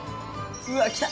うわきた！